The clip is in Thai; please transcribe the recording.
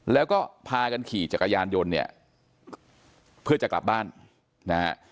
แล้วก็พากันขี่จักรยานยนต์เนี่ยเพื่อจะกลับบ้านนะฮะ